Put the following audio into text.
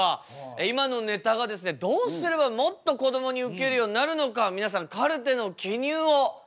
今のネタがですねどうすればもっとこどもにウケるようになるのか皆さんカルテの記入をお願いしたいと思います。